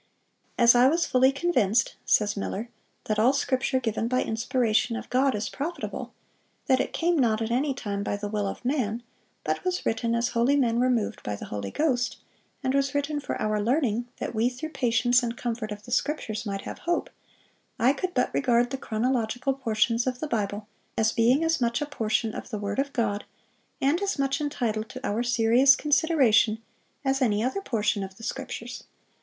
"As I was fully convinced," says Miller, "that 'all Scripture given by inspiration of God is profitable;'(533) that it came not at any time by the will of man, but was written as holy men were moved by the Holy Ghost,(534) and was written 'for our learning, that we through patience and comfort of the Scriptures might have hope,'(535) I could but regard the chronological portions of the Bible as being as much a portion of the word of God, and as much entitled to our serious consideration, as any other portion of the Scriptures.